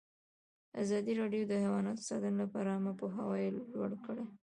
ازادي راډیو د حیوان ساتنه لپاره عامه پوهاوي لوړ کړی.